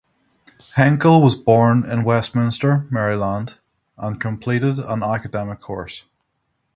Henkle was born in Westminster, Maryland, and completed an academic course.